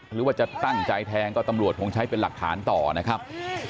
หรือว่าจะตั้งใจแทงก็ตำรวจคงใช้เป็นหลักฐานต่อนะครับ